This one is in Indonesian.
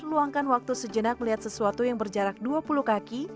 luangkan waktu sejenak melihat sesuatu yang berjarak dua puluh kaki